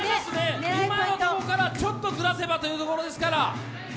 今のとこからちょっとずらせばというところですから。